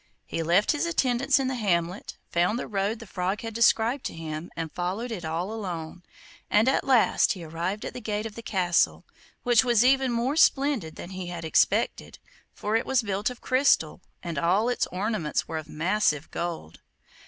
He left his attendants in the hamlet, found the road the frog had described to him, and followed it all alone, and at last he arrived at the gate of the castle, which was even more splendid than he had expected, for it was built of crystal, and all its ornaments were of massive gold.